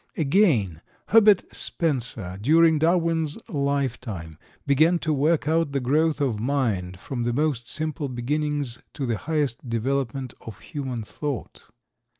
Again, Herbert Spencer, during Darwin's lifetime, began to work out the growth of mind from the most simple beginnings to the highest development of human thought.